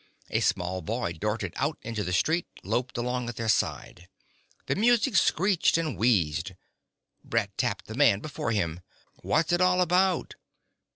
A small boy darted out into the street, loped along at their side. The music screeched and wheezed. Brett tapped the man before him. "What's it all about...?"